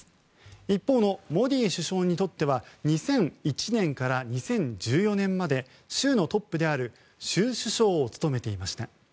一方のモディ首相にとっては２００１年から２０１４年まで州のトップである州首相を務めていました。